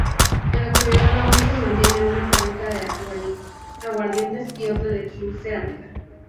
En la actualidad aún se mantiene una fábrica de aguardientes y otra de cerámica.